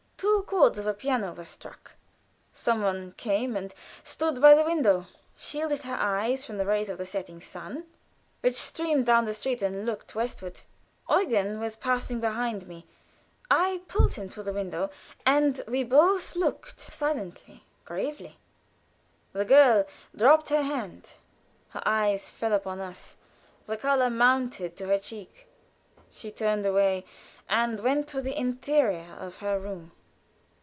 Two chords of a piano were struck. Some one came and stood by the window, shielded her eyes from the rays of the setting sun which streamed down the street and looked westward. Eugen was passing behind me. I pulled him to the window, and we both looked silently, gravely. The girl dropped her hand; her eyes fell upon us. The color mounted to her cheek; she turned away and went to the interior of the room.